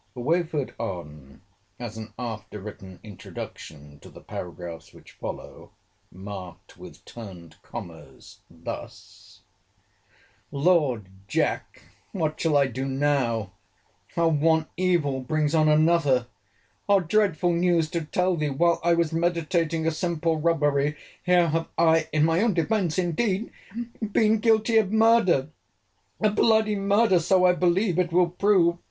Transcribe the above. Wafer'd on, as an after written introduction to the paragraphs which follow, marked with turned commas, [thus, "]: Lord, Jack, what shall I do now! How one evil brings on another! Dreadful news to tell thee! While I was meditating a simple robbery, here have I (in my own defence indeed) been guilty of murder!—A bl—y murder! So I believe it will prove.